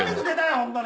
ホントに。